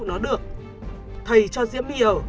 nó được thầy cho diễm my ở